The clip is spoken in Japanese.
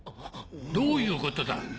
どういうことだ？